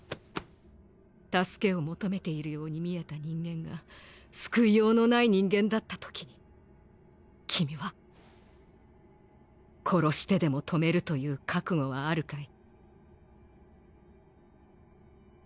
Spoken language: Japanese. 救けを求めているように見えた人間が救いようのない人間だった時に君は殺してでも止めるという覚悟はあるかい。